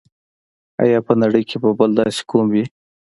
آیا په نړۍ کې به بل داسې قوم وي.